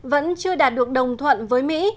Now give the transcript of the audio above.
vẫn chưa đạt được đồng thuận với mỹ